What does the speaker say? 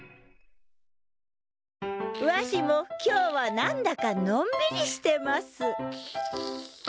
わしも今日はなんだかのんびりしてますチュチュ。